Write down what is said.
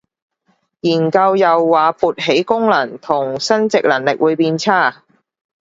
研究又話勃起功能同生殖能力會變差